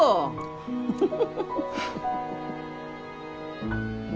フフフフフ。